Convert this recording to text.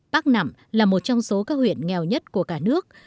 bác nẵm là một trong số các huyện nghèo nhất của cả nước